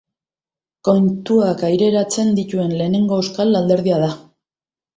Kontuak aireratzen dituen lehenengo euskal alderdia da.